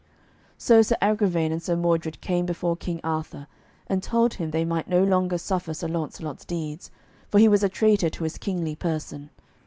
So Sir Agravaine and Sir Mordred came before King Arthur, and told him they might no longer suffer Sir Launcelot's deeds, for he was a traitor to his kingly person.